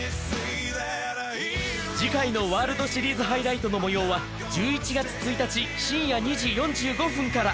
次回のワールドシリーズハイライトの模様は１１月１日深夜２時４５分から。